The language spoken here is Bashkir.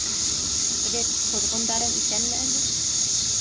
Фред, ҡоҙғондарың иҫәнме әле?